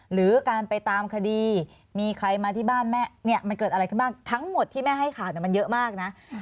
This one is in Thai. หรือการไปตามคดีมีใครมาที่บ้านแม่เนี่ยมันเกิดอะไรขึ้นบ้างทั้งหมดที่แม่ให้ข่าวมันเยอะมากนะ